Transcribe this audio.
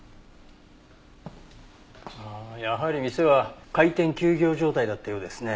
ああやはり店は開店休業状態だったようですね。